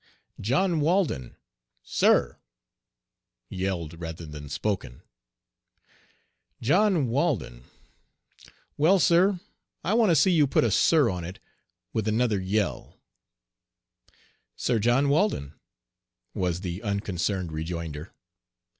"John Walden." "Sir!" yelled rather than spoken. "John Walden." "Well, sir, I want to see you put a 'sir' on it," with another yell. "Sir John Walden," was the unconcerned rejoinder.